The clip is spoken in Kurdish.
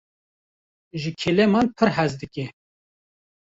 Ji keleman pir hez dike.